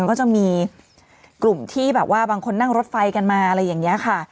ก็จะมีกลุ่มที่แบบว่าบางคนนั่งรถไฟกันมาอะไรอย่างนี้ค่ะ